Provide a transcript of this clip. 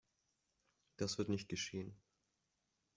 Das wird nicht geschehen.